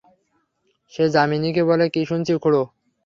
সে যামিনীকে বলে, কী শুনছি খুড়ো?